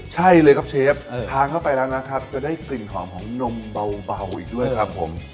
ใช่เลยครับเชฟทานเข้าไปแล้วนะครับจะได้กลิ่นหอมของนมเบาอีกด้วยครับผม